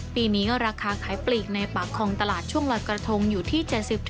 ปีนี้ระคาขายปลีกในปากคองตลาดช่วงอยู่ที่